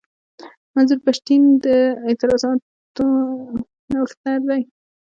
منظور پښتين د اعتراضونو نوښتګر دی.